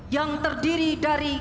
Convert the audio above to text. yang terdiri dari